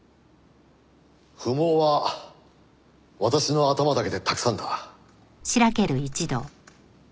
不毛は私の頭だけでたくさんだ。